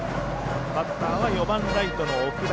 バッターは４番ライトの奥田。